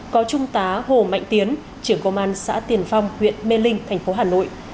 có trung tá hồ mạnh tiến trưởng công an xã tiền phong huyện mê linh thành phố hà nội